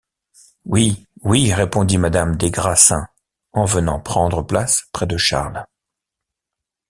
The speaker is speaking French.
Oui, oui, répondit madame des Grassins en venant prendre place près de Charles.